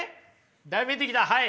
だいぶ見えてきたはい。